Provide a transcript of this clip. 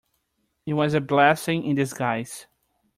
It was a blessing in disguise.